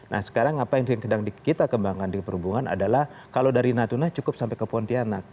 nah sekarang apa yang sedang kita kembangkan di perhubungan adalah kalau dari natuna cukup sampai ke pontianak